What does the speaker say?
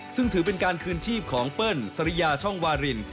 ซึ่งถือเป็นการคืนชีพของเปิ้ลสริยาช่องวาริน